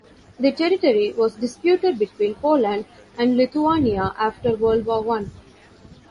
The territory was disputed between Poland and Lithuania after World War One.